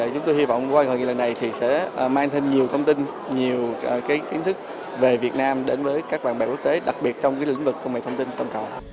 chúng tôi hy vọng qua ngày này sẽ mang thêm nhiều thông tin nhiều kiến thức về việt nam đến với các bản bài quốc tế đặc biệt trong lĩnh vực công nghệ thông tin tâm cầu